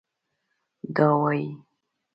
دا وايي